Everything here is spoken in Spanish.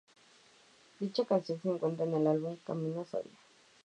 Dicha canción se encuentra en el álbum "Camino Soria".